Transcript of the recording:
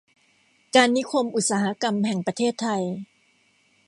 การนิคมอุตสาหกรรมแห่งประเทศไทย